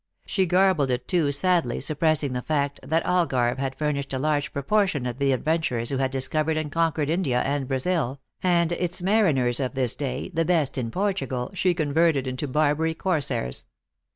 She garbled it too, sadly, suppressing the fact that Algarve had furnished a large proportion of the adventurers who had discovered and conquered India and Brazil, and its mariners of this day, the best in Portugal, she converted into Barbary corsairs.